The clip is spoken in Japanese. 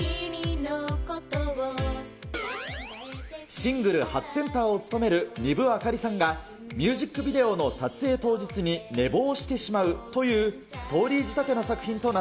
シングル初センターを務める丹生明里さんが、ミュージックビデオの撮影当日に寝坊してしまうという、ストーリー仕立ての作品とな